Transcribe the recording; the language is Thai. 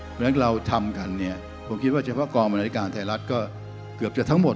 เพราะฉะนั้นเราทำกันเนี่ยผมคิดว่าเฉพาะกองบริการไทยรัฐก็เกือบจะทั้งหมด